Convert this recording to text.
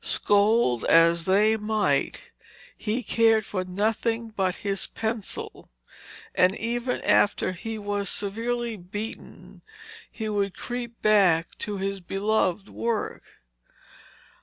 Scold as they might, he cared for nothing but his pencil, and even after he was severely beaten he would creep back to his beloved work.